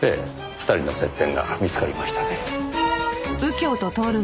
２人の接点が見つかりましたね。